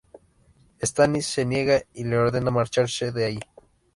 Stannis se niega y le ordena marcharse de ahí.